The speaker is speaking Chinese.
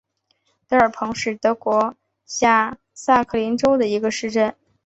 德尔彭是德国下萨克森州的一个市镇。